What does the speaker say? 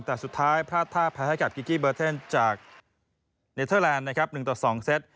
แต่สุดท้ายพลาดท่าภายให้กับกิกิเบอร์เทนจากเนทเทอร์แลนด์๑๒เซต